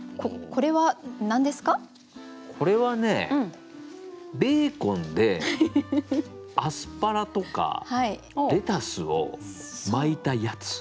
これはねベーコンでアスパラとかレタスを巻いたやつ。